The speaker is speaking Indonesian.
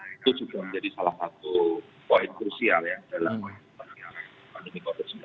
itu juga menjadi salah satu poin krusial ya dalam perjalanan pandemi covid sembilan belas